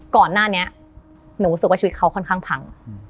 ก่อนหน้านี้หนูรู้สึกว่าชีวิตเขาค่อนข้างพัง